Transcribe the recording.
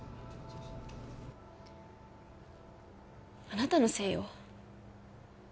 あなたのせいよ